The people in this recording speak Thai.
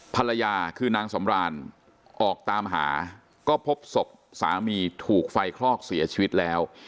ภรรยาคือนางสำรานออกตามหาก็พบศพสามีถูกไฟคลอกเสียชีวิตแล้ว